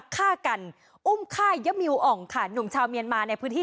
ฆ่ากันอุ้มฆ่ายะมิวอ่องค่ะหนุ่มชาวเมียนมาในพื้นที่